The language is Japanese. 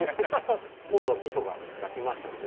今度はみそが焼けましたので。